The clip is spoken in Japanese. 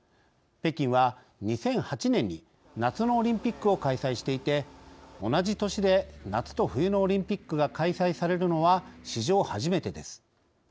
北京は２００８年に夏のオリンピックを開催していて同じ都市で夏と冬のオリンピックが開催されるのは史上初めてです。